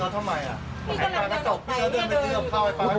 ก็ไม่เป็นตู้ฟ้า